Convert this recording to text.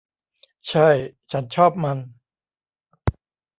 ใช่ ฉันชอบมัน